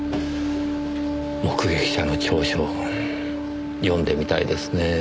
目撃者の調書読んでみたいですねぇ。